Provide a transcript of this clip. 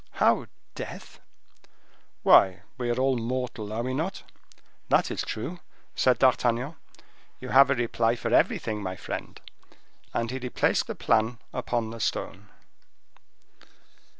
"How! death?" "Why, we are all mortal, are we not?" "That is true," said D'Artagnan; "you have a reply for everything, my friend." And he replaced the plan upon the stone.